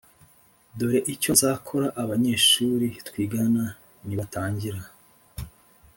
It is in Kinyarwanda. Dore icyo nzakora abanyeshuri twigana nibatangira